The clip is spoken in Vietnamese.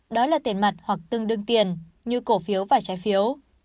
đó là tiền mặt hoặc tương đương tiền như cổ phiếu và trái phiếu